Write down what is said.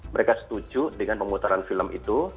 mereka setuju dengan pemutaran film itu